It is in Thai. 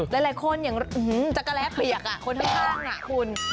หลายคนอย่างจักรแร้เปียกคนข้างน่ะคุณ